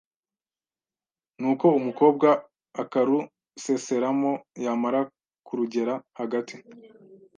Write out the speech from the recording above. nuko umukobwa akaruseseramo yamara kurugera hagati